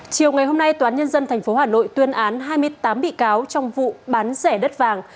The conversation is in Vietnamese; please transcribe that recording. chiều ngày hôm nay toán nhân dân tp hà nội tuyên án hai mươi tám bị cáo trong vụ bán rẻ đất vàng